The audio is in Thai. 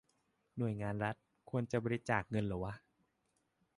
หน่วยงานรัฐ ควรจะบริจาคเงินเหรอวะ ?